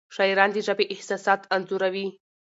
شاعران د ژبې احساسات انځوروي.